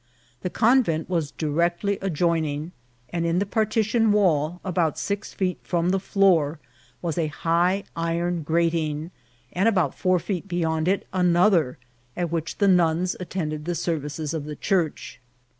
The convent was directly ad* joining, and in the partition wall, about six feet firom the Booty was a hig^ iron grating, and about four feet beyond it another, at which the nuns attended the ser* vices of the church.